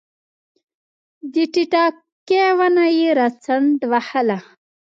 د ټیټاقې ونه یې راڅنډ وهله